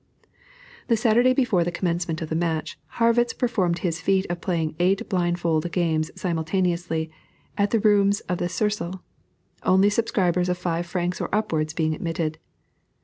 The Saturday before the commencement of the match, Harrwitz performed his feat of playing eight blindfold games simultaneously at the rooms of the Cercle, only subscribers of five francs or upwards being admitted.